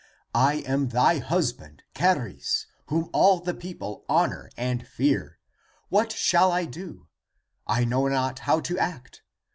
I am thy husband Charis, whom all the people honor and fear. What shall I do? I know not how to act.